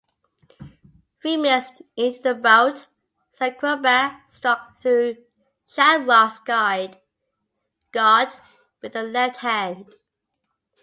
Three minutes into the bout, Sakuraba struck through Shamrock's guard with a left hand.